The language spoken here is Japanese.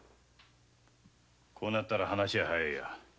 こうなったら話が早いや。